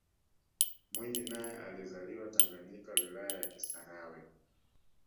mwinyi naye alizaliwa tanganyika wilaya ya kisarawe